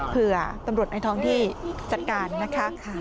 เผื่อตำรวจในท้องที่จัดการนะคะ